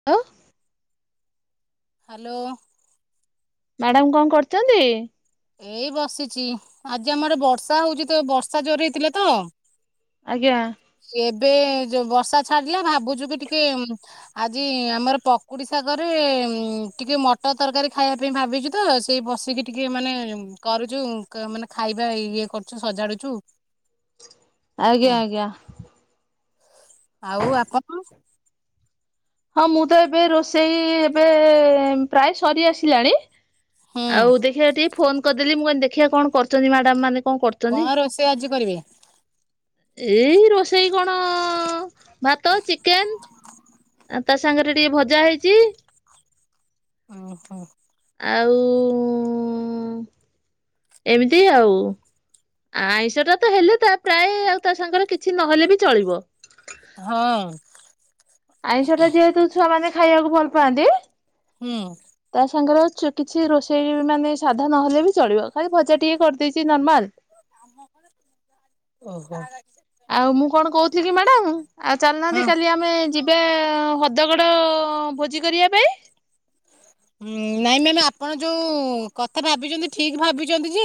[unintelligible] Hello. Madam କଣ କରୁଛନ୍ତି? ଏଇ ବସିଛି ଆଜି ଆମ ଆଡେ଼ ବର୍ଷା ହଉଛି ତ ବର୍ଷା ଜୋରେ ହେଇଥିଲା ତ। ଆଜ୍ଞା। ଏବେ ଯୋଉ ବର୍ଷା ଛାଡିଲା ଭାବୁଛୁ କି ଟିକେ ଆଜି ଆମର ପକୁଡ଼ି ସାଗରେ ଟିକେ ମଟର ତରକାରୀ ଖାଇବା ପାଇଁ ଭାବିଛୁ। ତ ସେଇ ବସିକି ଟିକେ ମାନେ କରୁଛୁ ମାନେ ଖାଇବା ଇଏ କରୁଛୁ ସଜାଡୁଛୁ। ଆଜ୍ଞା ଆଜ୍ଞା। ଆଉ ଆପଣ? ହଁ ମୁଁ ତ ଏବେ ରୋଷେଇ ଏବେ ପ୍ରାୟ ସରି ଆସିଲାଣି। ହୁଁ ଆଉ ଦେଖିବା ଟିକେ ଫୋନ କରିଦେଲି ମୁଁ କହିଲି ଦେଖିବା କଣ କରୁଛନ୍ତି ମ୍ୟାଡାମ ମାନେ କଣ କରୁ କଣ ରୋଷେଇ ଆଜି କରିବେ? ଏଇ ରୋଷେଇ କଣ ଭାତ, ଚିକେନ୍। ତା ସାଙ୍ଗରେ ଟିକେ ଭଜା ହେଇଛି। ଓ ହ ଆଉ। ଏମିତି ଆଉ। ଆଇଁଷ ଟା ତ ହେଲେ ତା ପ୍ରାୟ ଆଉ ତା ସାଙ୍ଗରେ କିଛି ନହେଲେ ବି ଚଳିବ। ହଁ। ଆଇଁଷ ଟା ଯେହେତୁ ଛୁଆମାନେ ଖାଇବାକୁ ଭଲ ପାଆନ୍ତି। ହୁଁ। ତା ସାଙ୍ଗରେ କିଛି ରୋଷେଇ ମାନେ ସାଧା ନହେଲେ ବି ଚଳିବ ଖାଲି ଭଜା ଟିକେ କରିଦେଇଛି ନର୍ମାଲ। ଓ ହୋ। ଆଉ ମୁଁ କଣ କହୁଥିଲି କି ମ୍ୟାଡ଼ାମ ଆଉ ହଁ ଚାଲିନାହାନ୍ତି କାଲି ଆ ଆମେ ଯିବା ହଦଗଡ଼ ଭୋଜି କରିବା ପାଇଁ। ନାଇଁ ମ୍ୟାଡା଼ମ୍ ଆପଣ ଯୋଉ କଥା ଭାବିଛନ୍ତି ଠିକ୍ ଭାବିଛନ୍ତି ଯେ।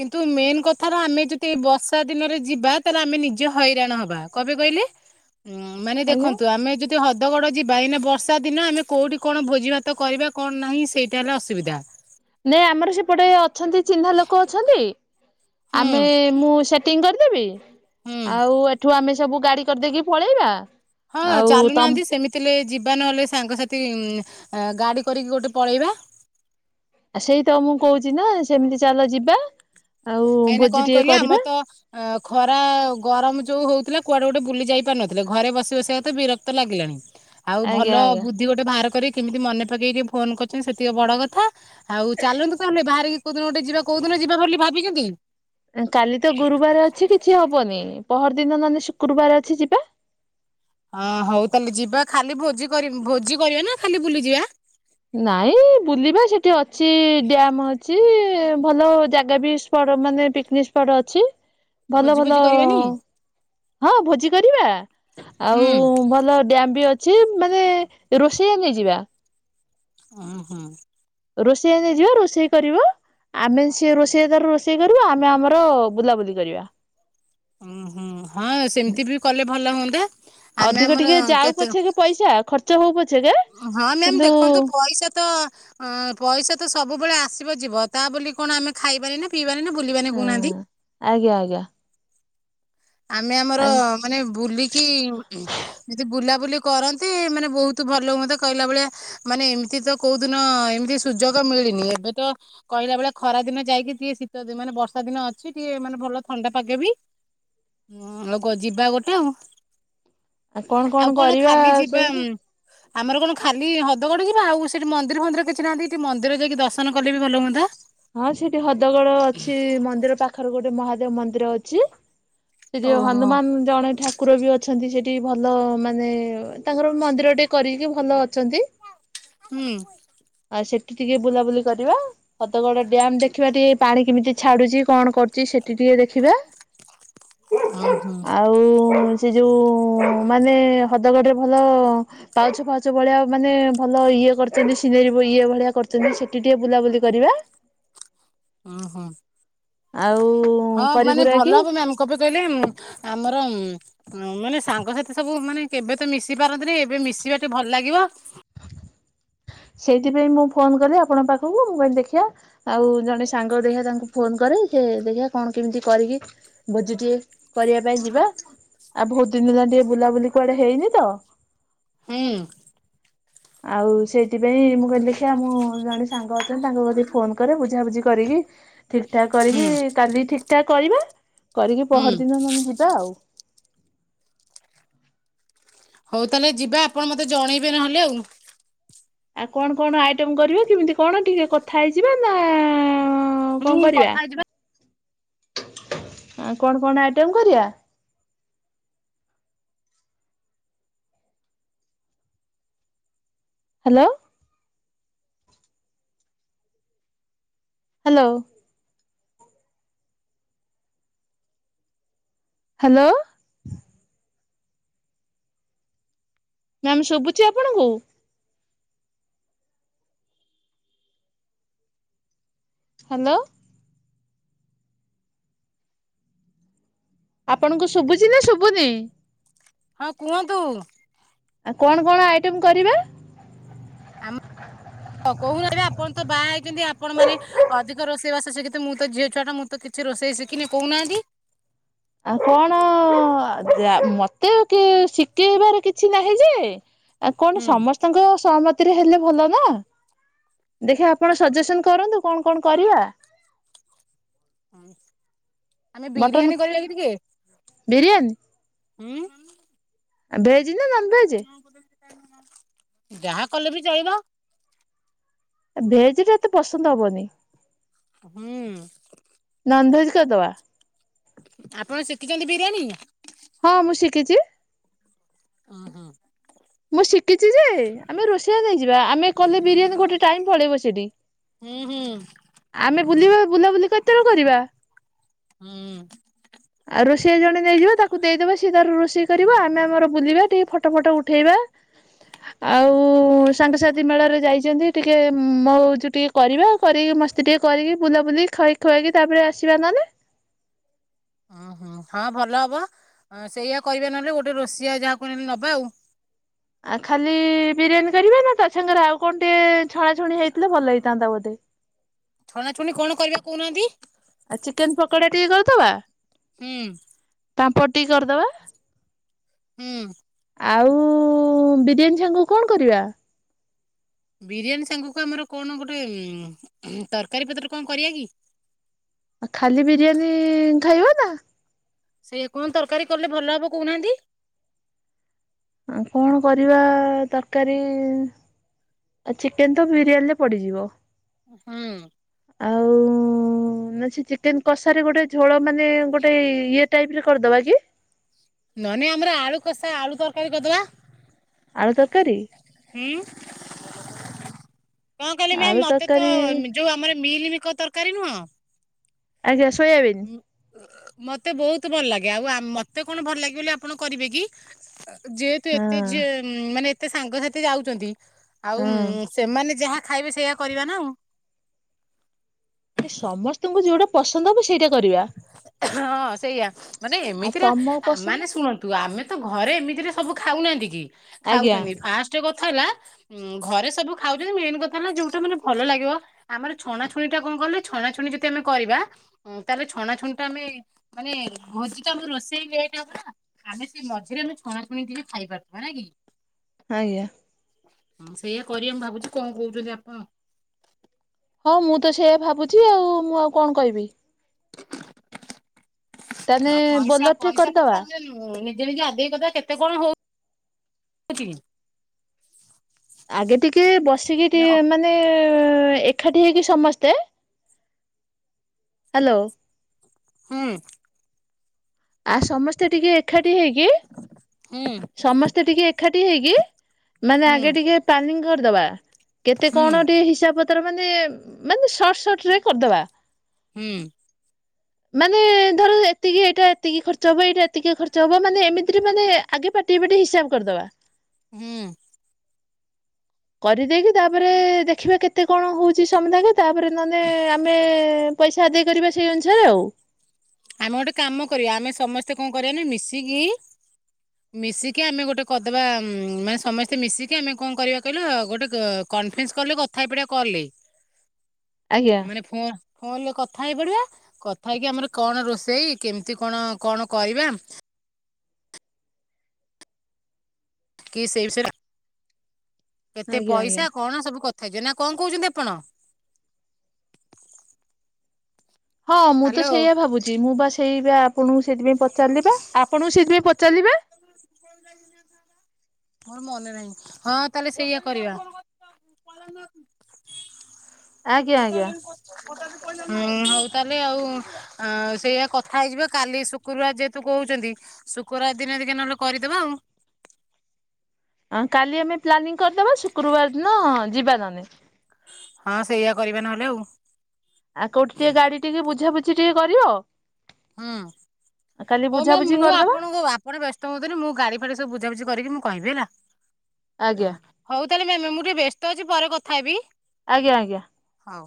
କିନ୍ତୁ ମେନ୍ କଥା ରା ଆମେ ଯଦି ଏ ବର୍ଷା ଦିନରେ ଯିବା ତାହେଲେ ଆମେ ନିଜେ ହଇରାଣ ହବା। କଣ ପାଇଁ କହିଲେ ମାନେ ଆଜ୍ଞା। ଦେଖନ୍ତୁ ଆମେ ଯଦି ହଦଗଡ଼ ଯିବା ଏଇନା ବର୍ଷା ଦିନ ଆମେ କୋଉଠି କଣ ଭୋଜି ଭାତ କରିବା। କଣ ନାହିଁ ସେଇଟା ହେଲା ଅସୁବିଧା। ନାଇଁ ଆମର ସେପଟେ ଅଛନ୍ତି ଚିହ୍ନା ଲୋକ ଅଛନ୍ତି ହୁଁ ଆମେ ମୁଁ ସେ ସେଟିଂ କରିଦେବି ହୁଁ ଆଉ ଏଠୁ ଆମେ ସବୁ ଗାଡ଼ି କରିଦେଇକି ପଳେଇବା। ହଁ ଆଉ ତମ ଚାଲୁନାହାନ୍ତି ସେମିତି ଥିଲେ ଯିବା ନହେଲେ ସାଙ୍ଗସାଥି ଗାଡ଼ି କରିକି ଗୋଟେ ପଳେଇବା। ସେଇତ ମୁଁ କହୁଛି ନା ସେମିତି ଚାଲ ଯିବା। ଆଉ କାହିଁକିନା ଭୋଜି କଣ ଟିକେ କହିଲେ କରିବା। ଆମର ତ ଅ ଖରା ଗରମ ଯୋଉ ହଉଥିଲା କୁଆଡେ ଗୋଟେ ବୁଲି ଯାଇ ପାରୁନଥିଲେ ଘରେ ବସି ବସିବା କଥା ବିରକ୍ତ ଭତ ଲାଗିଲାଣି ଆଉ ଭଲ ଆଜ୍ଞା ଆଜ୍ଞା। ବୁ ଦି ଗୋଟେ ବାହାର କରିିକି କେମିତି ମନେ ପକେଇକି ଫୋନ କରିଛନ୍ତି ସେତିକି ବଡ଼ କଥା ଆଉ ଚାଲନ୍ତୁ ତାହେଲେ ବାହାରିକି କୋଉ ଦିନ ଗୋଟେ ଯିବା କୋଉ ଦିନ ଯିବା ବୋଲି ଭାବିଛନ୍ତି କାଲି ତ ଗୁରୁବାର ଅଛି କିଛି ହବନି ପହର ଦିନ ନହେଲେ ଶୁକ୍ରବାର ଅଛି ଯିବା ହଁ ହଉ ତାହେଲେ ଯିବା ଖାଲି ଭୋଜି କରି ଭୋଜି କରିବା ନା ଖାଲି ବୁଲି ଯିବା ନାଇଁ ବୁଲିବା ସେଠି ଅଛି ଡ୍ୟାମ ଅଛି ଭଲ ଜାଗା ବି ମାନେ ପିକନିକ ସ୍ପଟ ଅଛି ଭଲ ଭୋଜି ଭୋଜି ଭଲ କରିବାନି ହଁ ଭୋଜି କରିବା ଆଉ ହୁଁ ଭଲ ଡ୍ୟାମ୍ ବି ଅ ଯି ମାନେ ରୋଷେୟା ନେଇଯିବା ହୁଁ ହୁଁ ରୋଷେୟା ନେଇଯିବା ରୋଷେଇ କରିବ ଆମେ ସିଏ ରୋଷେୟା ତାର ରୋଷେଇ କରିବା ଆମେ ଆମର ବୁଲାବୁଲି କରିବା ହୁଁ ହୁଁ ହଁ ସେମିତି ବି କଲେ ଭଲ ହୁଅନ୍ତା ଆମେ ଅଧିକ ଆମର ଟିକେ ଯାଉ କେତେ ପଛେ କେ ପଇସା ଖର୍ଚ୍ଚ ହଉ ପଛେ କେ ହଁ ମ୍ୟାମ ଦେଖନ୍ତୁ ପଇସା ତ ଅଁ ପଇସା ତ ସବୁବେଳେ ଆସିବ ଯିବ ତା ବୋଲି କଣ ଆମେ ଖାଇବାନି ପିଇବାନି ନା ବୁଲିବାନି ହଁ କହୁନାହାନ୍ତି ଆଜ୍ଞା ଆଜ୍ଞା ଆମେ ଆମର ଆ ମାନେ ବୁଲିକି ଯଦି ବୁଲାବୁଲି କରନ୍ତି ମାନେ ବହୁତ ଭଲ ହୁଅନ୍ତା କହିଲା ଭଳିଆ ମାନେ ଏମିତି ତ କୋଉଦିନ ଏମିତି ସୁଯୋଗ ମିଳିନି ଏବେ ତ କହିଲା ବେଳେ ଖରା ଦିନ ଯାଇକି ଟିକେ ଶୀତ ଦିନ ମାନେ ବର୍ଷା ଦିନ ଅଛି ଟିକେ ମାନେ ଭଲ ଥଣ୍ଡା ପାଗେବି ହୁଁ ଯିବା ଗୋଟେ ଆଉ ଆଉ କଣ କଣ କରିବା ଖାଲି ଯିବା ଉଁ, ସେମିତି ଆମର କଣ ଖାଲି ହଦଗଡ ଯିବା ଆଉ ସେଇଠି ମନ୍ଦିର ଫନ୍ଦିର କିଛି ନାହାନ୍ତି ସେଠି ମନ୍ଦିର ଯାଇକି ଦର୍ଶନ କଲେ ବି ଭଲ ହୁଅନ୍ତା। ହଁ ସେଠି ହଦଗଡ ଅଛି ମନ୍ଦିର ପାଖରେ ଗୋଟେ ମହାଦେବ ମନ୍ଦିର ଅଛି। ସେଜେ ଓହୋ ହନୁମାନ୍ ଜଣେ ଠାକୁର ବି ଅଛନ୍ତି ସେଇଠି ଭଲ ମାନେ ତାଙ୍କର ମନ୍ଦିରଟେ କରିକି ଭଲ ଅଛନ୍ତି। ହୁଁ। ଆ ସେଠି ଟିକେ ବୁଲାବୁଲି କରିବା‌। ଦଗଡ ଡ୍ୟାମ୍ ଦେଖିବା ଟିକେ ପାଣି କେମିତି ଛାଡୁଛି କଣ କରୁ ଚି ସେଠି ଟିକେ ଦେଖିବା ହୁଁ ହୁଁ ଆଉ ସେ ଯଉଁ ମାନେ ହଦଗଡ଼ରେ ଭଲ ପାଉଛ ଫାଉଛ ଭଳିଆ ମାନେ ଭଲ ଇଏ କରୁଛନ୍ତି ସିନେରୀଭ ଇଏ ଭଳିଆ କରୁଛନ୍ତି ସେଠି ଟିକେ ବୁଲାବୁଲି କରିବା। ହୁଁ ହୁଁ ଆଉ ହଁ ମାନେ କରିକୁରାକି ଭଲ ହବ ମ୍ଯାମ୍ ଯୁ କହିଲେ ଉଁଁ ଆମର ଉଁ ନ ମାନେ ସାଙ୍ଗସାଥି ସବୁ ମାନେ କେବେ ତ ମିଶି ପାରନ୍ତିନି ଏବେ ମିଶିବା ଟେ ଭଲ୍ ଲାଗିବ। ସେଇଥିପାଇଁ ମୁଁ ଫୋନ କଲି ଆପଣଙ୍କ ପାଖକୁ ମୁଁ କଈନି ଦେଖିଆ ଆଉ ଜଣେ ସାଙ୍ଗ ଦେଖ୍ଯା ତାଙ୍କୁ ଫୋନ କରେ ସେ ଦେଖ୍ଯା କଣ୍ କେମିତି କରିକି ଭୋଜି ଟିଏ କରିବା ପାଇଁ ଯିବା ଆ ବହୁତ୍ ଦିନ୍ ହେଲା ଟିକେ ବୁଲାବୁଲି କୁଆଡେ ହେଇନି ତ ହୁଁ। ଆଉ ସେ ଥିପାଇଁ ମୁଁ କହିଲି ଦେଖିଆ ମୁଁ ଜଣେ ସାଙ୍ଗ ଅଛନ୍ତି ତାଙ୍କୁ କତି ଫୋନ କରେ ବୁଝାବୁଝି କରିକି ଠିକ୍ ଠାକ୍ ହୁଁ କରିକି କାଲି ଠିକ୍‌ଠାକ୍ କରିବା କରିକି ହୁଁ ପହର୍ଦିନ ନହେନେ ଯିବା ଆଉ। ହଉ ତାହେଲେ ଯିବା ଆପଣ ମତେ ଜଣେଇବେ ନହେଲେ ଆଉ। ଆଉ କଣ୍ କଣ୍ ଆଇଟମ୍ କରିବା କେମିତି କଣ ଟିକେ କଥା ହେଇଯିବା ନା ହଁ କଣ ହୁଁ କରିବା କଥା ହେଇଯିବା ଆ କଣ୍‌କଣ୍ ଆଇଟମ୍ କରିବା? ହାଲୋ। ହାଲୋ। ହାଲୋ। ମ୍ୟାାମ୍ ଶୁଵୁଚି ଆପଣ ଙ୍କୁ? ହାଲୋ। ଆପଣଙ୍କୁ ଶୁବୁଚି ନାଁ ଶୁବୁନି? ହଁ କୁହନ୍ତୁ। ଆ କଣ କଣ ଆଇଟମ୍ କରିବା? ହ କହୁନାନ୍ତି ଆପଣ ତ ବାହା ହେଇଛନ୍ତି ଆପଣ ମାନେ ଅଧିକ ରୋଷେଇବାସ ଶିଖି ତ ମୁଁ ତ ଝିଅ ଛୁଆଟ ମୁ ତ କିଛି ରୋଷେଇ ଶିଖିନି କହୁହାନ୍ତି। ଆଉ କଣ ଯା ମତେ କିଏ ଶିକେଇବାର କିଛି ନାହିଁ ଯେ ଆ କଣ ହୁଁ ସମସ୍ତଙ୍କ ସହମ ତିରେ ହେଲେ ଭଲ ନା ଦେଖିଆ ଆପଣ ସଜେସନ୍ କରନ୍ତୁ କଣ୍ କଣ୍ କରିବା? ଆମେ ମଟନ ବିରିୟାନୀ କରିବା କି ଟିକେ? ବିରିୟାନୀ। ହୁଁ। ଭେଜ୍ ନା ନନ୍ ଭେଜ୍? ଯାହା କଲେ ବି ଚଳିବ। ଆ ଭେଜ୍ ଟା ଏତେ ପସନ୍ଦ ହବନି। ହୁଁ। ନନ୍ ଭେଜ୍ କରି ଦବା। ଆପଣ ଶିଖିଛନ୍ତି ବିରିୟାନୀ? ହଁ ମୁଁ ଶିଖିଚି। ଉଁ ହୁଁ। ମୁଁ ଶିଖିଛି ଯେ ଆମେ ରୋଷେଇଆ ନେଇଯିବା ଆମେ କଲେ ବିରିୟାନୀ ଗୋଟେ ଟାଇମ୍ ପଳେଇବ ସେଇଠି। ହୁଁ ହୁଁ। ଆମେ ବୁଲିବା ବୁଲାବୁଲି କେତେବେଳେ କରିବା? ହୁଁ। ଆଉ ରୋଷେଇ ଜଣେ ନେଇଯିବା ତାକୁ ଦେଇଦବା ସେ ତାର ରୋଷେଇ କରିବ ଆମେ ଆମର ବୁଲିବା ଟିକେ ଫଟୋ ଫଟୋ ଉ ଠେଇବା। ଆଉ ସାଙ୍ଗସାଥି ମେଳାରେ ଯାଇଛନ୍ତି ଟିକେ ମଉଛି ଟିକେ କରିବା କରିକି ମସ୍ତି ଟିକେ କରିକି ବୁଲାବୁଲି ଖୁଆଇ ଖୁଆଇକି ତା ପରେ ଆସିବା ନହେଲେ। ଓଁ ହୁଁ ହଁ ଭଲ ହବ ସେଇଆ କରିବା ନହେଲେ ଗୋଟେ ରୋଷେଇଆ ଯାହାକୁହେନେ ନବା ଆଉ। ଆ ଖାଲି ବିରିୟାନୀ କରିବା ନା ତା ସାଙ୍ଗରେ ଆଉ କଣ ଟିକେ ଛଣା ଛୁଣି ହେଇଥିଲେ ଭଲ ହେଇଥାନ୍ତା ବୋଧେ? ଛଣାଛୁଣି କଣ କରିବା ର କୋହୁ ନାହାନ୍ତି? ଆଉ ଚିକେନ୍ ପକୋଡା ଟିକେ କରିଦବା। ହୁଁ ପାମ୍ପଡ଼ ଟିକେ କରିଦବା। ହୁଁ। ଆଉ ବିରିୟାନୀ ସାଙ୍ଗକୁ କଣ କରିବା? ବିରିୟାନୀ ସାଙ୍ଗକୁ ଆମର କଣ ଗୋଟେ ତରକାରୀ ପତ୍ର କଣ କରିବା କି? ଆ ଖାଲି ବିରିୟାନୀ ଖାଇବ ନା? ସେ କଣ ତରକାରୀ କଲେ ଭଲ ହବ କହୁନାହାନ୍ତି? ଉଁ କଣ କରିବା ତରକାରୀ। ଆଉ ଚିକେନ ତ ବିରିୟାନୀରେ ପଡିଯିବ। ହୁଁ। ଆଉ ନା ସେ ଚିକେନ କଷା ରେ ଗୋଟେ ଝୋଳ ମାନେ ଗୋଟେ ଇଏ ଟାଇପ ର କରିଦବା କି। ନ ନାଇ ଆମର ଆଳୁ କଷା ଆଳୁ ତରକାରୀ କରିଦବା। ଆଳୁ ତରକାରୀ। ହୁଁ କଣ କହିଲେ ଆଳୁ ମ୍ୟାମ ମତେ ତ। ତରକାରୀ ଯୋଉ ଆମର ମିଲମିକର ତରକାରୀ ନୁହଁ। ଆଜ୍ଞା ସୋୟାବିନ୍। ମତେ ବହୁତ ଭଲ ଲାଗେ ଆଉ ଆ ମତେ କଣ ଭଲ ଲାଗେ ବୋଲି ଆପଣ କରିବେ କି। ଯେହେତୁ ହଁ ଏତେ ଝି ମାନେ ଏତେ ସାଙ୍ଗସାଥି ଯାଉଛନ୍ତି ଆଉ ହଁ। ଉଁ। ସେମାନେ ଯାହା ଖାଇବେ ସେଇଆ କରିବା ନା ଆଉ। ଏ ସମସ୍ତଙ୍କୁ ଯୋଉଟା ପସନ୍ଦ ହବ ସେଇଟାକୁ। ହଁ ସେଇଆ ମାନେ ଆଉ ଏମିତିରେ ତମ ଆ ପସନ୍ଦ ମାନେ ଶୁଣନ୍ତୁ। ନ୍ତୁ ଆମେ ତ ଘରେ ଏମିତିରେ ସବୁ ଖାଉନାହାନ୍ତି କି ଖାଉଛନ୍ତି ଫାଷ୍ଟ କଥା ହେଲା? ହୁଁ ଘରେ ସବୁ ଖାଉଛନ୍ତି ମେନ୍ କଥା ହେଲା ଯୋଉଟା ମାନେ ଭଲ ଲାଗିବ। ଆମର ଛଣା ଛୁଣି ଟା କଣ କହିଲେ ଛଣାଛୁଣି ଯଦି ଆମେ କରିବା। ତା ପରେ ଛଣା ଛୁଣିଟା ଆମେ ମାନେ ଭୋଜି ଟା ଆମର ରୋଷେଇ ଲେଟ୍ ହବନା। ଆମେ ସେଇ ମଝିରେ ଆମେ ଛଣାଛୁଣି ଟିକେ ଖାଇ ପାରୁଥିବା ନା କି? ଆଜ୍ଞା। ହୁଁ ସେଇଆ କରିବା ମୁଁ ଭାବୁଛି କଁ କହୁଛନ୍ତି ଆପଣ? ହଁ ମୁଁ ତ ସେୟଆ ଭାବୁଛି ଆଉ ମୁଁ ଆଉ କଣ କହିବି। ତାନେ ବୋଲର ଟେ କରିଦବା। ହଁ ନିଜେ ନିଜେ ଆଦେଇ କରିଦେବା କେତେ କଣ ହଉଛି। ଆଗେ ଟିକେ ବସିକି ନା କଣ? ଟିକେ ମାନେ ଏକାଠି ହେଇକି ସମସ୍ତେ। ହାଲୋ। ହୁଁ। ଆଉ ସମସ୍ତେ ଟିକେ ଏକାଠି ହେଇକି। ହୁଁ ସମସ୍ତେ ଟିକେ ଏକାଠି ହେଇକି ମାନେ ହୁଁ ଆଗେ ଟିକେ। ପ୍ଲାଲିଙ୍ଗ କରିଦବା କେତେ ହୁଁ କଣ ଟିକେ ହିସାବ ପତ୍ ତ୍ର ମାନେ ମାନେ ସର୍ଟ୍ ସର୍ଟ୍ ରେ କରିଦବା। ହୁଁ। ମାନେ ଧର ଏତିକି ଏଟା ଏ ଏତିକି ଖର୍ଚ୍ଚ ହବ ଏଇଟା ଏତିକି ଖର୍ଚ୍ଚ ହବ ମାନେ ଏମିତିରେ ମାନେ ଆଗେ ପାଟିିଏ ପାଟିଏ ହିସାବ କରିଦବା। ହୁଁ। କରି ଦେଇକି ତାପରେ ଦେଖିବା କେତେ କଣ ହଉଚି ସମୁଦାୟକ। ତାପରେ ନହ ନେ ଆମେ ପଇସା ଆଦାୟ କରିବା ସେଇ ଅନୁସାରେ ଆଉ। ଆମେ ଗୋଟେ କାମ କରିବା ଆମେ ସମସ୍ତେ କଁ କରିବାନା ମିଶିକି। ମିଶିକି ଆମେ ଗୋଟେ କରଦବା ଉଁ ମାନେ ସମସ୍ତେ ମିଶିକି ଆମେ କଣ କରିବା କହିଲୁ ଗୋଟେ ଅ କନଫେନ୍ସ କଲରେ କଥା ହେଇପଡିବା କଲ ରେ। ଆଜ୍ଞା। ମାନେ ଫୋ ଫୋନ ରେ କଥା ହେଇ ପଡିବା କଥା ହେଇକି ଆମର। କଣ ରୋଷେଇ କେମତି କଣ କଣ କରିବା। କି ସେଇ ବିଷୟରେ କେତେ ଆଜ୍ଞା ଆଜ୍ଞା। ପଇସା କଣ ସବୁ କଥା ହେଇଯିବା ନା କଁ କହୁଚନ୍ତି ଆପଣ। ହଁ ମୁଁ ତ ହ୍ୟାଲୋ। ସେଇଆ ଭାବୁଚି ମୁଁ ବା ସେଇ ବା ଆପଣଙ୍କୁ ସେଇଥିପାଇଁ ପଚାରିଲି ପା ଆପଣଙ୍କୁ ସେଥିପାଇଁ ପଚାରିଲି ପା। ମୋର ମନେ ନାହିଁ ହଁ ତାହେଲେ ସେଇଆ କରିବା। [unintelligible] [inaudible] ଆଜ୍ଞା ଆଜ୍ଞା ହୋଉ ତାହେଲେ ଆଉ ସେଇଆ କଥା ହେଇଯିବା କାଲି ଶୁକ୍ରୁବାର ଯେହେତୁ କହୁଚନ୍ତି ଶୁକ୍ରବାର ଦିନ ଦେଖିଆ ନହେଲେ କରିଦବା ଆଉ। ଆଁ କାଲି ଆମେ ପ୍ଲାନିଂ କରିଦବା ଶୁକ୍ରୁବାର ଦିନ ଯିବା ନହନେ। ହଁ ସେଇଆ କରିବା ନହଲେ ଆଉ। ଆ କୋଉଠି ଟିକେ ଗାଡି ଟିକେ ବୁଝାବୁଝି ଟିକେ କରିବ। ହୁଁ କାଲି ହଉ ମ୍ୟାମ୍ ବୁଝାବୁଝି ମୁଁ କରିଦବା ଆପଣଙ୍କ ଆ ଆପଣ ବ୍ୟସ୍ତ ହୁଅନ୍ତୁନି ମୁଁ ଗାଡି ଫାଡି ସବୁ ବୁଝାବୁଝି କରିକି ମୁଁ କହିବି ହେଲା ହୁଁ। ଆଜ୍ଞା ହଉ ତାହେଲେ ମ୍ୟାମ୍ ମୁଁ ଟିକେ ବେସ୍ତ ଅଛି ପରେ କଥା ହେବି। ଆଜ୍ଞା ଆଜ୍ଞା। ହଉ।